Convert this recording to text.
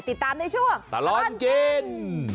ติดตามในช่วงตลอดกิน